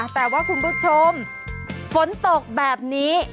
แต่ว่าคุณผู้ชมฝนตกแบบนี้